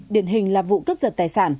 điện hình là vụ cấp giật tài sản